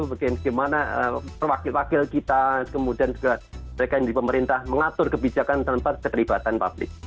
bagaimana perwakilan wakil kita kemudian juga mereka yang di pemerintah mengatur kebijakan tanpa keterlibatan publik